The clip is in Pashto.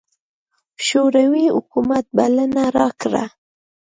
شوروي حکومت بلنه راکړه.